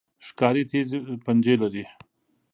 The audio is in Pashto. ښکاري تیز پنجې لري.